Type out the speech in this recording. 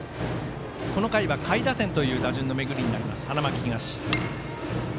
この回は下位打線という打順の巡りになる、花巻東。